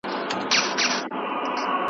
کرنه د اقتصاد ملا ده.